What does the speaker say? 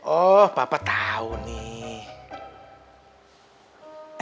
oh papa tahu nih